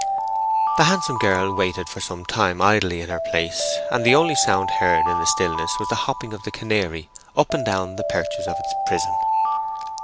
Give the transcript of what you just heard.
The handsome girl waited for some time idly in her place, and the only sound heard in the stillness was the hopping of the canary up and down the perches of its prison.